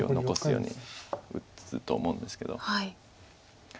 残すように打つと思うんですけど。